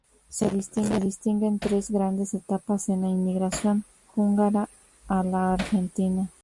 Se distinguen tres grandes etapas en la inmigración húngara a la Argentina.